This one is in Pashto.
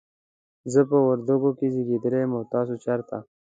زه په وردګو کې زیږیدلی یم، او تاسو چیرته؟